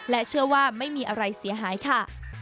เชื่อว่าไม่มีอะไรเสียหายค่ะ